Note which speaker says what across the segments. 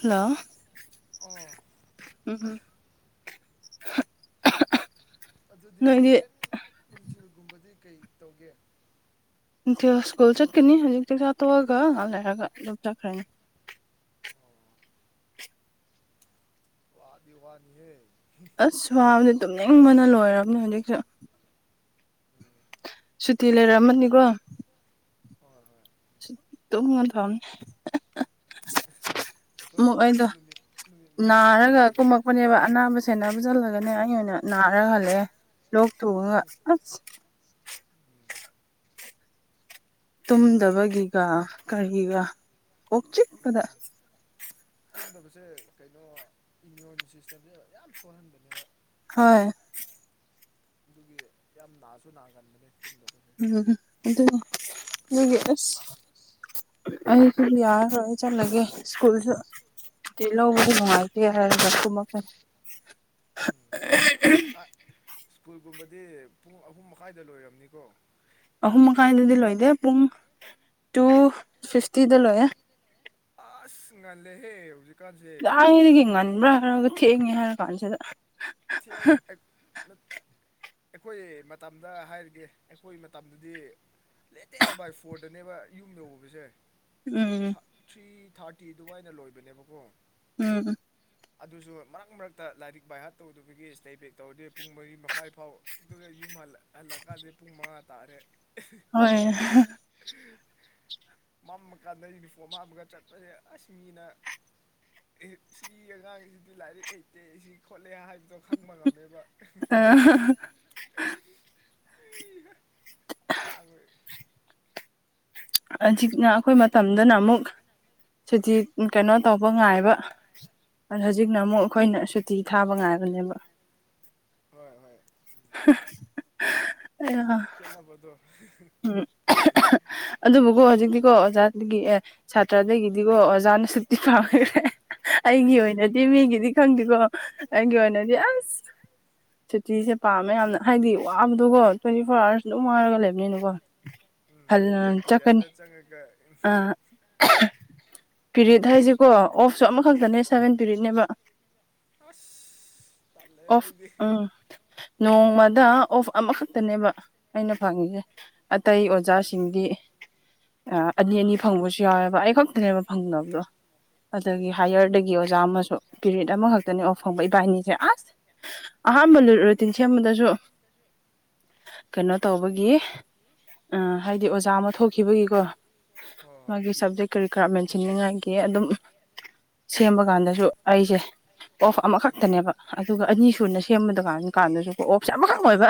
Speaker 1: hello
Speaker 2: ꯑꯣꯥ
Speaker 1: ꯎꯝ ꯎꯝ
Speaker 2: ꯑꯗꯨꯗꯤ ꯍꯣꯔꯦꯟ ꯅꯨꯡꯊꯤꯜꯒꯨꯝꯕꯗꯤ ꯀꯩ ꯇꯧꯒꯦ
Speaker 1: ꯅꯤꯡꯅꯨꯡꯊꯤꯦꯜ ꯁ꯭ꯀꯨꯜ ꯆꯠꯀꯅꯤ ꯍꯧꯖꯤꯛꯇꯤ ꯆꯥꯊꯣꯛꯑꯒ ꯉꯥꯟ ꯂꯩꯔꯒ ꯑꯗꯨꯝ ꯆꯠꯈ꯭ꯔꯅꯤ
Speaker 2: ꯑꯣ ꯗꯤ ꯋꯥꯅꯤꯍꯦ
Speaker 1: ꯑꯁ ꯋꯥꯕꯗꯤ ꯇꯨꯝꯅꯤꯡꯕꯅ ꯂꯣꯏꯔꯕꯅꯦ ꯍꯧꯖꯤꯛꯁꯨ
Speaker 2: ꯎꯝ
Speaker 1: ꯁꯨꯇꯤ ꯂꯩꯔꯝꯃꯅꯤꯀꯣ
Speaker 2: ꯍꯣꯏ ꯍꯣꯏ
Speaker 1: ꯇ ꯃ ꯊꯝꯅꯤ
Speaker 2: ꯑꯩꯈꯣꯏ
Speaker 1: ꯑꯃꯨꯛ
Speaker 2: ꯑꯩꯈꯣꯏꯁꯨ
Speaker 1: ꯑꯩꯗꯣ
Speaker 2: ꯅꯨꯃꯤꯠ ꯅꯨꯃꯤꯠ ꯃꯉꯥ ꯁꯨꯇꯤ ꯂꯩ
Speaker 1: ꯄꯄꯅꯦꯕ ꯑꯅꯥꯕ ꯁꯦꯟꯅꯕꯁꯤꯜꯂꯒꯅꯦ ꯑꯩ ꯑꯣꯏꯅ ꯅꯥꯔ ꯍꯜꯂꯛꯑꯦ ꯂꯣꯛ ꯇꯨꯉꯒ ꯑꯁ
Speaker 2: ꯎꯝ
Speaker 1: ꯇꯨꯝꯗꯕꯒꯤꯒ ꯀꯔꯤꯒꯤꯒ ꯑꯣꯣꯛ
Speaker 2: ꯎꯝ
Speaker 1: ꯆꯤꯛꯄꯗ
Speaker 2: ꯇꯨꯝꯗꯕꯁꯦ ꯀꯩꯅꯣ ꯏꯃ꯭ꯌꯨꯟ ꯁꯤꯁꯇꯦꯝꯁꯦ ꯌꯥꯝ ꯁꯣꯍꯟꯕꯅꯦꯕ
Speaker 1: ꯍꯣꯏ
Speaker 2: ꯑꯗꯨꯒꯤ ꯌꯥꯝ ꯅꯥꯁꯨ ꯅꯥꯒꯟꯕꯅꯦ ꯇꯨꯝꯗꯕ
Speaker 1: ꯎꯝ ꯑꯗꯨꯒꯤ ꯑꯁ ꯑꯩꯁꯨ ꯌꯥꯔ ꯑꯣꯏꯦ ꯆꯂꯒꯦ ꯁ꯭ꯀꯨꯜꯁꯨ ꯇꯂꯣꯕꯨ ꯅꯨꯡꯉꯥꯏꯗ ꯍꯥꯏꯔꯒ
Speaker 2: ꯎꯝ ꯁ꯭ꯀꯨꯜ ꯁ꯭ꯀꯨꯜꯒꯨꯝꯕꯗꯤ ꯄꯨꯡ ꯑꯍꯨꯝ ꯃꯈꯥꯏꯗ ꯂꯣꯏꯝꯅꯤꯀꯣ
Speaker 1: ꯑꯍꯨꯝ ꯃꯈꯥꯏꯗꯨꯗꯤ ꯂꯣꯏꯗꯦ ꯄꯨꯡ ꯇꯨ ꯐꯤꯐꯇꯤꯗ ꯂꯣꯏꯌꯦ
Speaker 2: ꯑꯁ ꯉꯜꯂꯦꯍꯦ ꯍꯧꯖꯤꯛ
Speaker 1: ꯀꯔꯤꯒꯤ ꯉꯜꯕꯔ ꯅꯪꯁꯨ ꯊꯦꯡꯅꯤꯉꯔ‌ꯦ ꯍꯥꯏꯔꯀꯜꯁꯤꯗ
Speaker 2: ꯊꯦꯡꯉꯦ ꯑꯩꯈꯣꯏ ꯃꯇꯝꯗ ꯍꯥꯏꯔꯤꯒꯦ ꯑꯩꯈꯣꯏ ꯃꯇꯝꯗꯗꯤ ꯂꯦꯇꯦꯁ ꯕꯥꯏ ꯐꯣꯔꯗꯅꯦꯕ ꯌꯨꯝ ꯌꯧꯕꯧꯕꯁꯦ
Speaker 1: ꯎꯝ
Speaker 2: ꯊ꯭ꯔꯤ ꯊꯥꯔꯇꯤ ꯑꯗꯨꯃꯥꯏꯅ ꯂꯣꯏꯕꯅꯦꯕꯀꯣ
Speaker 1: ꯎꯝ
Speaker 2: ꯑꯗꯨꯁꯨ ꯃꯔꯛ ꯃꯔꯛꯇ ꯂꯥꯏꯔꯤꯛ ꯕꯥꯏ ꯍꯥꯔꯠ ꯇꯧꯗꯕꯒꯤ ꯏꯁꯇꯦꯕꯦꯛ ꯇꯧꯔꯗꯤ ꯄꯨꯡ ꯃꯔꯤ ꯃꯈꯥꯏ ꯐꯥꯎ ꯑꯗꯨꯒ ꯌꯨꯝ ꯍꯜ ꯂꯥꯛꯀꯗ ꯄꯨꯃ ꯇꯔꯦ
Speaker 1: ꯍꯣꯏ
Speaker 2: ꯃꯝꯃ ꯀꯥꯟꯗ ꯌꯨꯅꯤꯐꯣꯔꯝ ꯍꯥꯝꯃꯒ ꯆꯠꯄꯁꯦ ꯑꯁ ꯃꯤꯅ ꯁꯤ ꯑꯉꯥꯡꯁꯤꯗꯤ ꯂꯥꯏꯔꯤꯛ ꯍꯩꯇꯦ ꯁꯤ ꯈꯣꯠ ꯈꯠꯂꯦ ꯍꯥꯏꯕꯗꯣ ꯈꯪꯕ ꯉꯝꯃꯦꯕ ꯂꯒꯣꯏ [inaudible]
Speaker 1: ꯍꯧꯖꯤꯛꯅ ꯑꯩꯈꯣꯏ ꯃꯇꯝꯗꯅ ꯑꯃꯨꯛ ꯁꯨꯗꯤ ꯀꯩꯅꯣ ꯇꯧꯕ ꯉꯥꯏꯕ ꯍꯧꯖꯤꯛꯅ ꯑꯃꯨꯛ ꯑꯩꯈꯣꯏꯅ ꯁꯨꯇꯤ ꯊꯥꯕ ꯉꯥꯏꯕꯅꯦꯕ
Speaker 2: ꯍꯣꯏ ꯍꯣꯏ
Speaker 1: ꯑꯌꯥ [inaudible]
Speaker 2: ꯈꯦꯠꯅꯕꯗꯣ
Speaker 1: ꯎꯝ ꯑꯗꯨꯕꯨꯀꯣ ꯍꯧꯖꯤꯛꯇꯤꯀꯣ ꯑꯣꯖꯥꯗꯒꯤ ꯑꯦ ꯁꯥꯇ꯭ꯔꯗꯒꯤꯗꯤꯀꯣ ꯑꯣꯖꯥꯅ ꯁꯨꯇꯤ ꯄꯥꯝꯈ꯭ꯔꯦ ꯑꯩꯒꯤ ꯑꯣꯏꯅꯗꯤ ꯃꯤꯒꯤꯗꯤ ꯈꯪꯗꯦꯀꯣ ꯑꯩꯒꯤ ꯑꯣꯏꯅꯗꯤ ꯑꯁ ꯁꯨꯇꯤꯁꯦ ꯄꯥꯝꯃꯦ ꯌꯥꯝꯅ ꯍꯥꯏꯗꯤ ꯋꯥꯕꯗꯣꯀꯣ ꯇ꯭ꯋꯦꯟꯇꯤ ꯐꯣꯔ ꯑꯥꯋꯥꯔꯁ ꯑꯗꯨꯝ ꯋꯥꯔꯒ ꯂꯩꯕꯅꯤꯅꯀꯣ
Speaker 2: ꯎꯝ
Speaker 1: ꯍꯜꯂ
Speaker 2: ꯄꯤꯔꯤꯌꯠ ꯄꯤꯔꯤꯌꯠ
Speaker 1: ꯆꯠꯀꯅꯤ
Speaker 2: ꯆꯪꯉꯒ ꯎ
Speaker 1: ꯑꯥ ꯄꯤꯔꯤꯠ ꯍꯥꯏꯁꯤꯀꯣ ꯑꯣꯐꯁꯨ ꯑꯃꯈꯛꯇꯅꯦ ꯁꯚꯦꯟ ꯄꯤꯔꯤꯠꯅꯦꯕ
Speaker 2: ꯑꯁ ꯇꯜꯂꯦꯍꯦ
Speaker 1: ꯑꯣꯐ
Speaker 2: ꯑꯩꯗꯤ
Speaker 1: ꯎꯝ ꯅꯣꯡꯃꯗ ꯑꯣꯐ ꯑꯃꯈꯛꯇꯅꯦꯕ ꯑꯩꯅ ꯐꯪꯉꯤꯁꯦ ꯑꯇꯩ ꯑꯣꯖꯥꯁꯤꯡꯗꯤ ꯑꯅꯤ ꯑꯅꯤ ꯐꯪꯕꯁꯨ ꯌꯥꯎꯋꯦꯕ ꯑꯩ ꯈꯛꯇꯅꯦꯕ ꯐꯪꯗꯅꯕꯗꯣ ꯑꯗꯒꯤ
Speaker 2: ꯑꯣ ꯀꯩ
Speaker 1: ꯍꯥꯏꯌꯔꯗꯒꯤ ꯑꯣꯖꯥ ꯑꯃꯁꯨ ꯄꯤꯔꯤꯠ ꯑꯃꯈꯛꯇꯅꯤ ꯑꯣꯐ ꯐꯪꯕ ꯏꯕꯥꯅꯤꯁꯦ ꯑꯁ ꯑꯍꯥꯟꯕ ꯔꯨꯇꯤꯟ ꯁꯦꯝꯕꯗꯁꯨ ꯀꯩꯅꯣ ꯇꯧꯕꯒꯤ ꯍꯥꯏꯗꯤ ꯑꯣꯖꯥ ꯑꯃ ꯊꯣꯛꯈꯤꯕꯒꯤꯀꯣ
Speaker 2: ꯍꯣꯏ ꯍꯣꯏ
Speaker 1: ꯃꫭꯏꯒꯤ ꯁꯕꯖꯦꯛ ꯀꯔꯤꯀꯔꯥ ꯃꯦꯟꯁꯤꯟꯅꯤꯡꯉꯥꯏꯒꯤ ꯑꯗꯨꯝ ꯁꯦꯝꯕ ꯀꯥꯟꯗꯁꯨ ꯑꯩꯁꯦ ꯑꯣꯐ
Speaker 2: ꯎꯝ
Speaker 1: ꯑꯃꯈꯛꯇꯅꯦꯕ ꯑꯗꯨꯒ ꯑꯅꯤ ꯁꯨꯅ ꯁꯦꯝꯕꯗꯀꯥꯟ ꯀꯥꯟꯗꯁꯨ ꯑꯣꯐꯁꯦ ꯑꯃꯈꯛ ꯑꯣꯏꯕ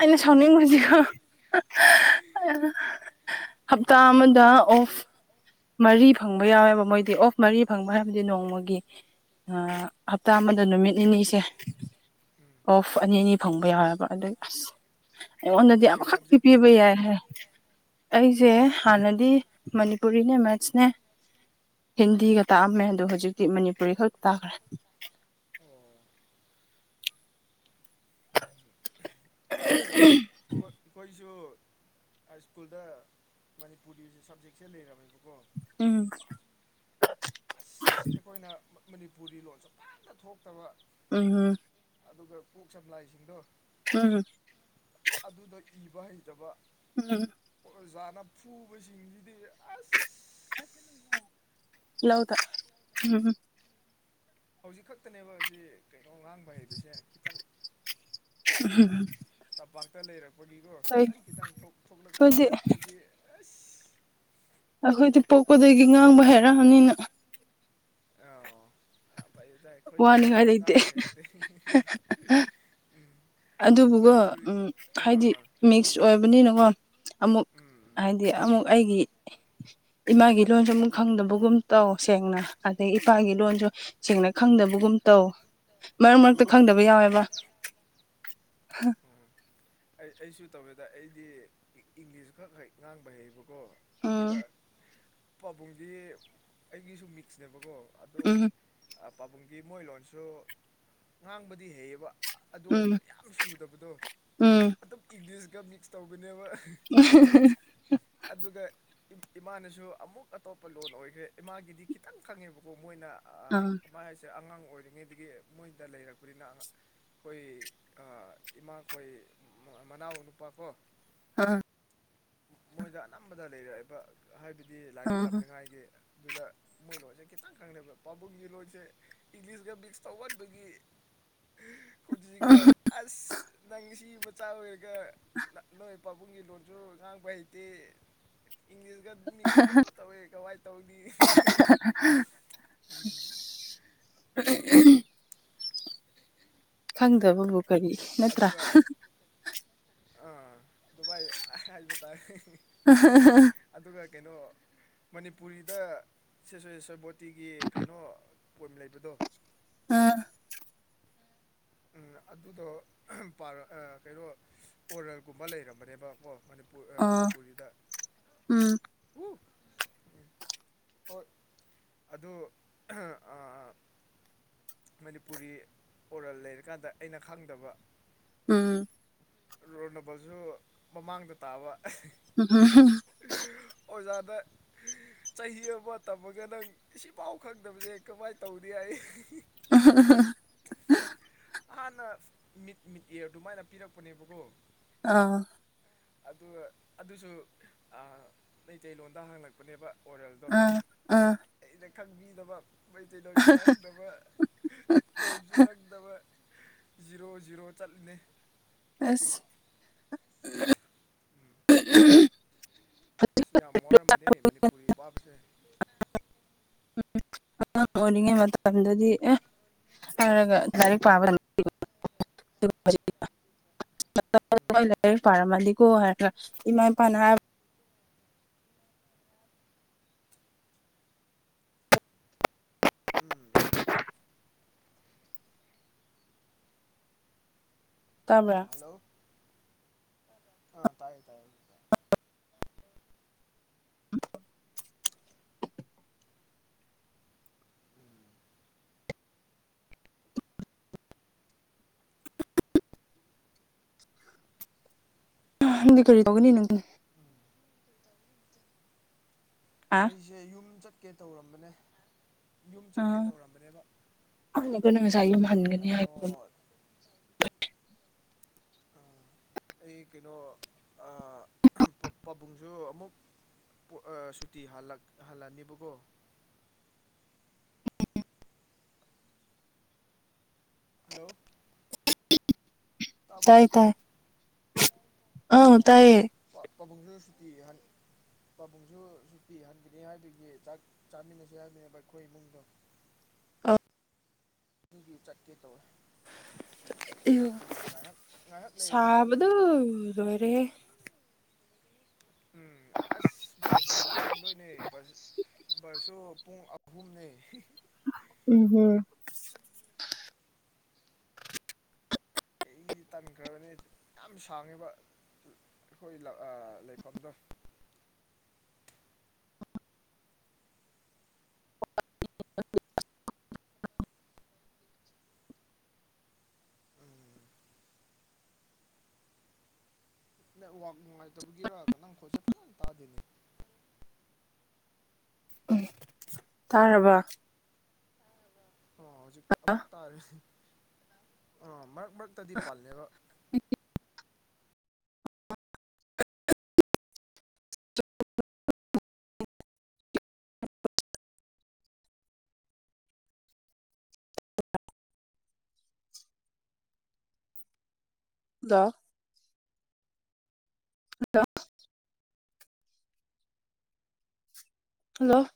Speaker 1: ꯑꯩꯅ ꯁꯥꯎꯅꯤꯡꯕꯁꯤꯀꫭ
Speaker 2: [unintelligible]
Speaker 1: ꯍꯞꯇꯥ
Speaker 2: ꯎꯝ
Speaker 1: ꯑꯃꯗ ꯑꯣꯐ ꯃꯔꯤ ꯐꯪꯕ ꯌꯥꯎꯋꯦꯕ ꯃꯣꯏꯗꯤ ꯑꯣꯐ ꯃꯔꯤ ꯐꯪꯕ ꯍꯥꯏꯕꯗꯤ ꯅꯣꯡꯃꯒꯤ ꯍꯞꯇꯥ ꯑꯃꯗ ꯅꯨꯃꯤꯠ ꯅꯤꯅꯤꯁꯦ
Speaker 2: ꯎꯝ
Speaker 1: ꯑꯣꯐ ꯑꯅꯤ ꯑꯅꯤ ꯐꯪꯕ ꯌꯥꯎꯋꯦꯕ ꯑꯗꯨ ꯑꯁ ꯑꯩꯉꯣꯟꯗꯗꯤ
Speaker 2: ꯀꯩ
Speaker 1: ꯑꯃꯈꯛꯇꯤ
Speaker 2: ꯁꯕꯖꯦꯛ
Speaker 1: ꯄꯤꯕ
Speaker 2: ꯇꯥꯛꯀꯦ
Speaker 1: ꯌꯥꯏ
Speaker 2: ꯅꯪ
Speaker 1: ꯍꯥꯏ ꯑꯩꯁꯦ ꯍꯥꯟꯅꯗꯤ ꯃꯅꯤꯄꯨꯔꯤꯅꯦ ꯃꯦꯠꯁꯅꯦ ꯍꯤꯟꯗꯤꯒ ꯇꯥꯛꯑꯝꯃꯦ ꯑꯗꯣ ꯍꯧꯖꯤꯛꯇꯤ ꯃꯅꯤꯄꯨꯔꯤ ꯈꯛꯇ ꯇꯥꯈ꯭ꯔꯦ
Speaker 2: ꯑꯣ ꯈꫭꯏꯁꯨ ꯍꯥꯏ ꯁ꯭ꯀꯨꯜꯗ ꯃꯅꯤꯄꯨꯔꯤ ꯁꯞꯖꯦꯛꯁꯦ ꯂꯩꯔꯝꯃꯦꯕꯀꯣ
Speaker 1: ꯎꯝ
Speaker 2: ꯑꯁ ꯑꯩꯈꯣꯏꯅ ꯃꯅꯤꯄꯨꯔꯤ ꯂꯣꯟꯁꯨ ꯐꯖꯅ ꯊꯣꯛꯇꯕ
Speaker 1: ꯎꯝ ꯎꯝ
Speaker 2: ꯑꯗꯨꯒ ꯀꯣꯛ ꯁꯝꯂꯥꯏꯁꯤꯡꯗꯣ
Speaker 1: ꯍꯝ
Speaker 2: ꯑꯗꯨꯗ ꯏꯕ ꯍꯩꯇꯕ
Speaker 1: ꯎꯝ
Speaker 2: ꯑꯣꯖꯥꯅ ꯐꯨꯕꯁꯤꯡꯁꯤꯗꯤ ꯑꯁ
Speaker 1: ꯂꯥꯎꯗ ꯎꯝ
Speaker 2: ꯍꯧꯖꯤꯛ ꯈꯛꯇꯅꯦꯕ ꯑꯁꯤ ꯀꯩꯅꯣ ꯉꯥꯡꯕ ꯍꯩꯔꯤꯁꯦ ꯈꯤꯇꯪ
Speaker 1: [unintelligible]
Speaker 2: ꯇꯝꯄꯥꯛꯇ ꯂꯩꯔꯛꯄꯒꯤꯀꯣ
Speaker 1: ꯍꯣꯏ
Speaker 2: ꯈꯤꯇꯪ ꯈꯤꯇꯪ ꯊꯣꯛꯂꯛꯄꯅꯤ
Speaker 1: ꯑꯩꯈꯣꯏꯗꯤ
Speaker 2: ꯅꯠꯇ꯭ꯔꯗꯤ ꯑꯁ
Speaker 1: ꯑꯩꯈꯣꯏꯗꯤ ꯄꯣꯛꯄꯗꯒꯤ ꯉꯥꯡꯕ ꯍꯥꯏꯔꯛꯑꯅꯤꯅ
Speaker 2: ꯑꯥ ꯌꯥꯝ ꯐꯩꯗ ꯑꯩꯈꯣꯏꯗꯤ
Speaker 1: ꯋꯥꯅꯤꯡꯉꯥꯏ ꯂꯩꯇꯦ
Speaker 2: ꯉꯥꯡꯕ ꯍꯩꯔꯛꯇꯦ [unintelligible]
Speaker 1: ꯑꯗꯨꯕꯨꯀꫭ
Speaker 2: ꯃꯅꯤꯄꯨꯔꯤ
Speaker 1: ꯎꯝ
Speaker 2: ꯑꯥ
Speaker 1: ꯍꯥꯏꯗꯤ
Speaker 2: ꯑꯥ
Speaker 1: ꯃꯤꯛꯁ ꯑꯣꯏꯕꯅꯤꯅꯀꯣ ꯑꯃꯨꯛ
Speaker 2: ꯎꯝ
Speaker 1: ꯍꯥꯏꯗꯤ ꯑꯃꯨꯛ ꯑꯩꯒꯤ ꯏꯃꯥꯒꯤ ꯂꯣꯟꯁꯨ ꯑꯃꯨꯛ ꯈꯪꯗꯕꯒꯨꯝ ꯇꯧ ꯁꯦꯡꯅ ꯑꯗꯩ ꯏꯄꯥꯒꯤ ꯂꯣꯟꯁꯨ ꯁꯦꯡꯅ ꯈꯪꯗꯕꯒꯨꯝ ꯇꯧ ꯃꯔꯛ ꯃꯔꯛꯇ
Speaker 2: ꯎꯝ
Speaker 1: ꯈꯪꯗꯕ ꯌꯥꯎꯋꯦꯕ [inaudible]
Speaker 2: ꯎꯝ ꯑꯩ ꯑꯩꯁꯨ ꯇꯧꯋꯦꯗ ꯑꯩꯗꯤ ꯏꯪꯂꯤꯁ ꯈꯛ ꯍꯦꯛ ꯉꯥꯡꯕ ꯍꯩꯕ ꯀꯣ
Speaker 1: ꯎꯝ
Speaker 2: ꯑꯗꯨꯒ ꯄꯥꯕꯨꯡꯗꯤ ꯑꯩꯒꯤꯁꯨ ꯃꯤꯛꯁꯅꯦꯕꯀꯣ ꯑꯗꯨ
Speaker 1: ꯎꯝ
Speaker 2: ꯄꯥꯕꯨꯡꯒꯤ ꯃꯣꯏ ꯂꯣꯟꯁꯨ ꯉꯥꯡꯕꯗꯤ ꯍꯩꯌꯦꯕ ꯑꯗꯨ ꯑꯣꯏꯔꯁꯨ
Speaker 1: ꯎꯝ
Speaker 2: ꯌꯥꯝ ꯁꯨꯗꯕꯗꯣ
Speaker 1: ꯎꯝ
Speaker 2: ꯑꯗꯨꯝ ꯏꯪꯂꯤꯁꯀ ꯃꯤꯛꯁ ꯇꯧꯒꯅꯦꯕ
Speaker 1: [unintelligible]
Speaker 2: ꯑꯗꯨꯒ ꯏꯃꯥꯅꯁꯨ ꯑꯃꯨꯛ ꯑꯇꯣꯞꯄ ꯂꯣꯟ ꯑꯣꯏꯈ꯭ꯔꯦ ꯏꯃꯥꯒꯤꯗꯤ ꯈꯤꯇꯪ ꯈꯪꯉꯦꯕꯀꯣ ꯃꯣꯏꯅ
Speaker 1: ꯑꯥ
Speaker 2: ꯃꯥꯏ ꯍꯥꯏꯁꯦ ꯑꯉꯥꯡ ꯑꯣꯏꯔꯤꯉꯩꯗꯒꯤ ꯃꯣꯏꯗ ꯂꯩꯔꯛꯄꯅꯤꯅꯥ ꯑꯩꯈꯣꯏ ꯏꯃꯥꯈꯣꯏ ꯃꯅꯥꯎ ꯅꯨꯄꯥꯀꯣ
Speaker 1: ꯑ
Speaker 2: ꯃꯣꯏꯗ ꯑꯅꯝꯕꯗ ꯂꯩꯔꯛꯏꯕ ꯍꯥꯏꯕꯗꯤ ꯂꯥꯏꯔꯤꯛ
Speaker 1: ꯎꯝ
Speaker 2: ꯇꯝꯅꯤꯡꯉꯥꯏꯒꯤ ꯑꯗꯨꯗ ꯃꯣꯏ ꯂꯣꯟꯁꯦ ꯈꯤꯇꯪ ꯈꯪꯅꯕꯗꯣ ꯄꯥꯕꯨꯡꯒꯤ ꯂꯣꯟꯁꯦ ꯏꯪꯂꯤꯁꯀ ꯃꯤꯛꯁ ꯇꯧꯃꯟꯕꯒꯤ ꯀꯟꯁꯤꯗ ꯑꯁ ꯅꯪ ꯁꯤ ꯃꯆꯥ ꯑꯣꯏꯔꯒ ꯅꯣꯏ ꯄꯕꯨꯡꯒꯤ ꯂꯣꯟꯁꯨ ꯉꯥꯡꯕ ꯍꯩꯇꯦ ꯏꯪꯂꯤꯁꯒ ꯃꯤꯛꯁ ꯑꯗꯨ ꯇꯧꯑꯦ ꯀꯃꯥꯏ ꯇꯧꯅꯤ
Speaker 1: [unintelligible] ꯈꯪꯗꯕꯕꯨ ꯀꯔꯤ ꯅꯠꯇ꯭ꯔꯥ
Speaker 2: ꯑꯗꯨꯒ ꯑꯥ ꯗꯨꯕꯥꯏ ꯍꯥꯏꯕ ꯇꯥꯔꯦ ꯑꯗꯨꯒ ꯀꯩꯅꯣ ꯃꯅꯤꯄꯨꯔꯤꯗ ꯁꯦ ꯁꯣꯏꯁꯣꯏꯕꯣꯇꯤꯒꯤ ꯀꯩꯅꯣ ꯄꯣꯏꯝ ꯂꯩꯕꯗꯣ
Speaker 1: ꯑꯥ
Speaker 2: ꯑꯗꯨꯗꯣ ꯀꯩꯅꯣ ꯑꯣꯔꯦꯜꯒꯨꯝꯕ ꯂꯩꯔꯝꯕꯅꯦꯕꯀꯣ ꯃꯅꯤꯄꯨꯔ ꯑ
Speaker 1: ꯑꯥ
Speaker 2: ꯃꯅꯤꯄꯨꯔꯒꯤꯗ
Speaker 1: ꯎꯝ
Speaker 2: [unintelligible] ꯍꯣꯏ ꯑꯗꯨ ꯃꯅꯤꯄꯨꯔꯤ ꯑꯣꯔꯜ ꯂꯩꯔꯀꯥꯟꯗ ꯑꯩꯅ ꯈꯪꯗꯕ
Speaker 1: ꯎꯝ
Speaker 2: ꯔꫭꯟ ꯅꯝꯕꯔꯁꯨ ꯃꯃꯥꯡꯗ ꯇꯥꯕ
Speaker 1: [unintelligible]
Speaker 2: ꯑꯣꯖꯥꯗ ꯆꯍꯤ ꯑꯃ ꯇꯝꯃꯒ ꯅꯪ ꯁꯤꯐꯥꯎ ꯈꯪꯗꯕꯁꯦ ꯀꯃꯥꯏꯅ ꯇꯧꯅꯤ ꯍꯥꯏꯌꯦ
Speaker 1: [unintelligible]
Speaker 2: ꯍꯥꯟꯅ ꯃꯤꯠ ꯃꯤꯠ ꯌꯔ ꯑꯗꯨꯃꯥꯏꯅ ꯄꯤꯔꯛꯄꯅꯦꯕꯀꯣ
Speaker 1: ꯑꯥ
Speaker 2: ꯑꯗꯨ ꯑꯗꯨꯁꯨ ꯑ ꯃꯩꯇꯩꯂꯣꯟꯗ ꯍꯪꯂꯛꯄꯅꯦꯕ ꯑꯣꯔꯦꯜꯗꯣ
Speaker 1: ꯑꯥ ꯑꯥ
Speaker 2: ꯑꯩꯅ ꯈꯪꯕꯤꯗꯕ ꯃꯩꯇꯩ ꯂꫭꯟꯁꯨ ꯈꯪꯗꯕ ꯄꯣꯏꯟꯁꯨ ꯈꯪꯗꯕ ꯖꯤꯔꯣ ꯖꯤꯔꯣ ꯆꯠꯂꯤꯅꯦ
Speaker 1: ꯑꯁ
Speaker 2: ꯑꯁ ꯌꯥꯝ ꯋꯥꯔꯝꯕꯅꯦ ꯃꯅꯤꯄꯨꯔꯤ ꯄꯥꯕꯁꯦ
Speaker 1: ꯎꯝ ꯑꯉꯥꯡ ꯑꯣꯏꯔꯤꯉꯩ ꯃꯇꯝꯗꯨꯗꯤ ꯑꯦ [unintelligible] [unintelligible] ꯂꯥꯏꯔꯤꯛ ꯄꯥꯔꯝꯃꯗꯤꯀꫭ ꯍꯥꯏꯕꯒ ꯏꯃꯥ ꯏꯄꯥꯅ ꯍꯥꯏꯕ
Speaker 2: ꯎꯝ ꯎꯝ
Speaker 1: ꯇꯥꯕ꯭ꯔꯥ
Speaker 2: ꯑꯥ ꯍꯜꯂꯣ ꯑꯥ ꯇꯥꯏꯌꯦ ꯇꯥꯏꯌꯦ
Speaker 1: [unintelligible]
Speaker 2: [inaudible]
Speaker 1: [unintelligible] ꯀꯔꯤ ꯇꯧꯒꯅꯤ ꯅꯪ
Speaker 2: ꯎꯝ [unintelligible]
Speaker 1: ꯑ
Speaker 2: ꯑꯩꯁꯦ ꯌꯨꯝ ꯆꯠꯀꯦ ꯇꯧꯔꯝꯕꯅꯦ ꯌꯨꯝ ꯆꯠꯀꯦ ꯇꯧꯔꯝꯕꯅꯦꯕ
Speaker 1: [unintelligible]
Speaker 2: ꯑ
Speaker 1: ꯍꯥꯏꯕ
Speaker 2: ꯀꯩꯅꫭ ꯑ ꯑꯩ ꯀꯩꯅꯣ ꯑ [unintelligible] ꯄꯥꯕꯨꯡꯁꯨ ꯑꯃꯨꯛ ꯑ ꯁꯨꯇꯤ ꯍꯜꯂꯛ ꯑꯅꯤꯕꯀꯣ ꯍꯜꯂꯣ
Speaker 1: [unintelligible]
Speaker 2: ꯇꯥꯕ꯭ꯔꯣ
Speaker 1: ꯑꯥ
Speaker 2: ꯑꯣ
Speaker 1: ꯇꯥꯏꯌꯦ
Speaker 2: [unintelligible] ꯄꯥꯕꯨꯡꯁꯨ ꯁꯨꯇꯤ ꯍꯜ ꯄꯥꯕꯨꯡꯁꯨ ꯁꯨꯇꯤ ꯍꯟꯒꯅꯤ ꯍꯥꯏꯕꯒꯤ ꯆꯥꯛ ꯆꯥꯃꯤꯟꯅꯁꯦ ꯍꯥꯏꯕꯅꯦꯕ ꯑꯩꯈꯣꯏ ꯏꯃꯨꯡꯗꯣ ꯃꯤꯗꯤ ꯆꯠꯀꯦ ꯇꯧꯋꯦ
Speaker 1: ꯑꯌꯨ
Speaker 2: ꯉꯥꯏꯍꯥꯛ ꯉꯥꯏꯍꯥꯛ ꯂꯩꯔꯗꯤ ꯆꯠꯂꯅꯤ ꯗꯥ
Speaker 1: ꯂꯣꯏꯔꯦ ꯍꯦ
Speaker 2: ꯎꯝ ꯑꯁ ꯕꯁ ꯑꯃꯨꯛ ꯇꯣꯟꯗꯣꯏꯅꯦ ꯕꯁ ꯕꯁ ꯁꯨ ꯄꯨꯡ ꯑꯍꯨꯝꯅꯦ
Speaker 1: ꯎꯝ [unintelligible]
Speaker 2: ꯑꯩꯒꯤꯗꯤ ꯇꯟꯈ꯭ꯔꯕꯅꯦ ꯌꯥꯝ ꯁꯥꯡꯉꯤꯕ ꯑꯩꯈꯣꯏ ꯑꯥ ꯂꯩꯐꯝꯗꯣ
Speaker 1: [unintelligible]
Speaker 2: ꯎꯝ ꯅꯦꯠꯋ꯭ꯔꯥꯛ ꯅꯨꯡꯉꯥꯏꯇꯕꯒꯤꯔꯥ ꯅꯪꯈꯣꯜꯁꯦ ꯐꯖꯅ ꯇꯥꯗꯦꯅꯦ
Speaker 1: ꯎꯝ ꯇꯥꯔꯕ
Speaker 2: ꯑꯣ ꯍꯧꯖꯤꯛ ꯑꯃꯨꯛ ꯇꯥꯔꯦ ꯑꯥ ꯃꯔꯛ ꯃꯔꯛꯇꯗꯤ ꯄꯜꯂꯦꯕꯥ
Speaker 1: [unintelligible] [unintelligible] ꯍꯜꯂꯣ ꯍꯜꯂꯣ